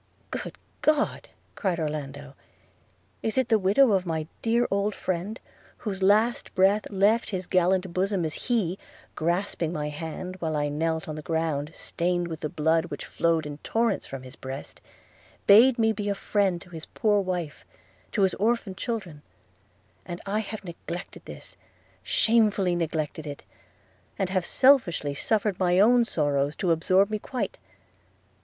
'Good God!' cried Orlando, 'it is the widow of my dear old friend, whose last breath left his gallant bosom as he, grasping my hand while I knelt on the ground stained with the blood which flowed in torrents from his breast, bade me be a friend to his poor wife, to his orphan children – And I have neglected this, shamefully neglected it! and have selfishly suffered my own sorrows to absorb me quite.